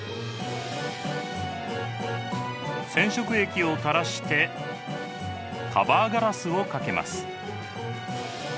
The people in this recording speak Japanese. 染色液をたらしてカバーガラスをかけます。